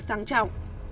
trong thời gian này